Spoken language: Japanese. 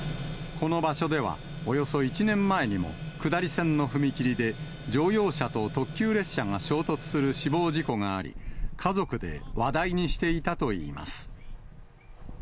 この場所では、およそ１年前にも、下り線の踏切で、乗用車と特急列車が衝突する死亡事故があり、家族で話題にしていたといいます。